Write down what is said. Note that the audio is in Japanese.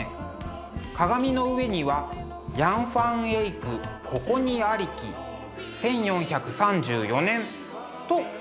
鏡の上には「ヤン・ファン・エイクここにありき１４３４年」と書いてあります。